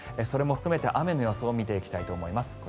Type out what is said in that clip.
それも含めて雨の予想を見ていきたいと思います。